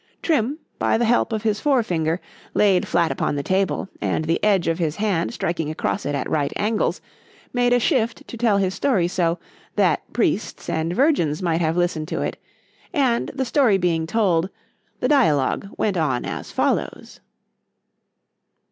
—— Trim, by the help of his fore finger, laid flat upon the table, and the edge of his hand striking across it at right angles, made a shift to tell his story so, that priests and virgins might have listened to it;—and the story being told,—the dialogue went on as follows.